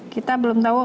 kita belum tahu